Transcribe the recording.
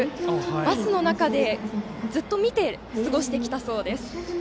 バスの中でずっと見て過ごしてきたそうです。